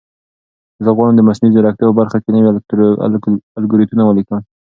زه غواړم د مصنوعي ځیرکتیا په برخه کې نوي الګوریتمونه ولیکم.